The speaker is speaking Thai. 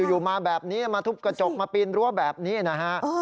อยู่มาแบบนี้มาทุบกระจกมาปีนรั้วแบบนี้นะฮะ